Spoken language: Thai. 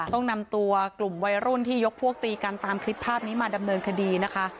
ต้องนำตัวกลุ่มวัยรุ่นที่ยกพวกตีกันตามคลิปภาพนี้มาดำเนินคดีนะคะ